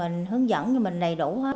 mình hướng dẫn cho mình đầy đủ hết